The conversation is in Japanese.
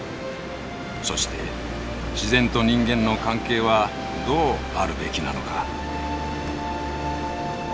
そして自然と人間の関係はどうあるべきなのか。